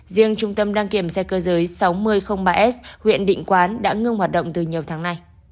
riêng trung tâm đăng kiểm xe cơ giới sáu nghìn ba s huyện định quán đã ngưng hoạt động từ nhiều tháng nay